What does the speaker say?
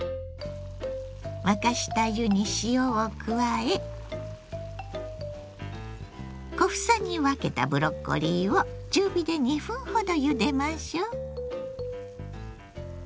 沸かした湯に塩を加え小房に分けたブロッコリーを中火で２分ほどゆでましょう。